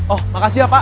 oh makasih ya pak